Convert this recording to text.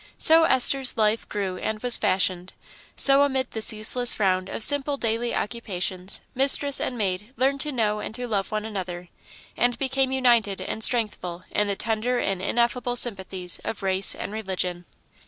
So Esther's life grew and was fashioned; so amid the ceaseless round of simple daily occupations mistress and maid learned to know and to love one another, and became united and strengthful in the tender and ineffable sympathies of race and religion.